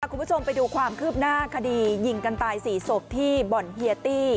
คุณผู้ชมไปดูความคืบหน้าคดียิงกันตาย๔ศพที่บ่อนเฮียตี้